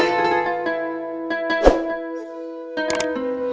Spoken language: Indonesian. rum duluan pulang ya